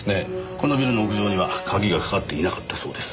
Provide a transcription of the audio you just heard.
このビルの屋上には鍵がかかっていなかったそうです。